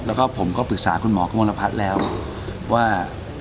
แล้วก็ผมก็ปรึกษาคุณหมอกระมวลพัฒน์แล้วว่า